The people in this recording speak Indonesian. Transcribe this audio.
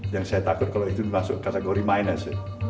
yang saya takut kalau itu masuk kategori minus